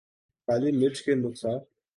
کالی مرچ کے نقصا